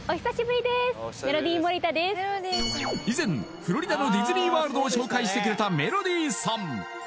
以前フロリダのディズニー・ワールドを紹介してくれたメロディーさん